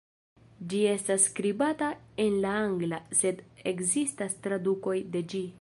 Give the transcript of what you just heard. Ĝi estas skribata en la angla, sed ekzistas tradukoj de ĝi.